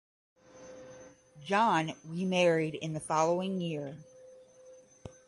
John remarried in the following year.